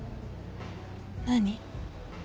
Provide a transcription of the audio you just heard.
何？